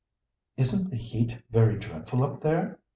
"Isn't the heat very dreadful up there?"